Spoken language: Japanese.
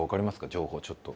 情報ちょっと。